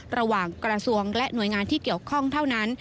ระหว่างกระทรวงและหน่วยงานที่เกี่ยวข้องเท่านั้น